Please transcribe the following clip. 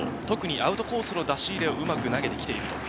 特にアウトコースの出し入れがうまく投げている。